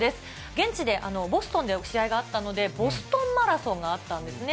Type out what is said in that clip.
現地で、ボストンで試合があったので、ボストンマラソンがあったんですね。